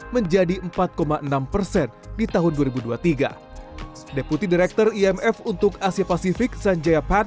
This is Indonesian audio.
yang adalah satu hal lain yang diperlukan